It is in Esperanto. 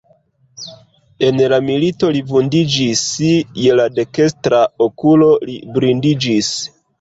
En la milito li vundiĝis, je la dekstra okulo li blindiĝis.